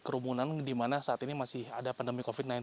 kerumunan di mana saat ini masih ada pandemi covid sembilan belas